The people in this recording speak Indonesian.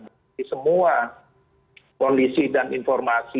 jadi semua kondisi dan informasi